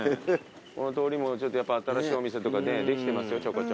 この通りも新しいお店とかねできてますよちょこちょこ。